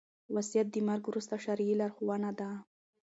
وصيت د مرګ وروسته شرعي لارښوونه ده